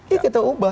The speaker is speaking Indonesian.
ya kita ubah